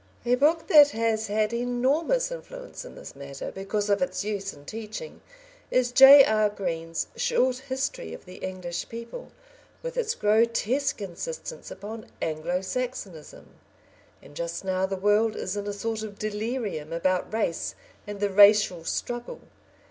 A book that has had enormous influence in this matter, because of its use in teaching, is J. R. Green's Short History of the English People, with its grotesque insistence upon Anglo Saxonism. And just now, the world is in a sort of delirium about race and the racial struggle.